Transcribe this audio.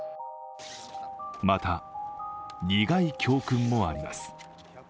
また、苦い教訓もあります。